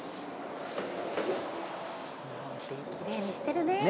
きれいにしてるね。